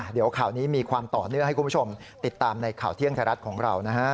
เดี๋ยวข่าวนี้มีความต่อเนื่องให้คุณผู้ชมติดตามในข่าวเที่ยงไทยรัฐของเรานะฮะ